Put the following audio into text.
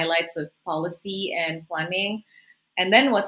dan kemudian yang menarik